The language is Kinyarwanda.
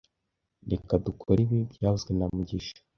Reka dukore ibi byavuzwe na mugisha